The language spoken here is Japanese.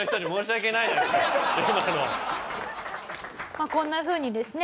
まあこんな風にですね